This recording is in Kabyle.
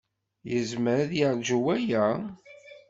Yezmer ad yeṛju waya?